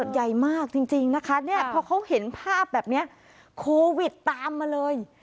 ได้มากจริงนะคะเนี่ยพอเขาเห็นภาพแบบเนี้ยตามมาเลย